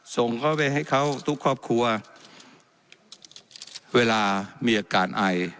ส่งเขาไปให้เขาทุกครอบครัวเวลามีอาการไอ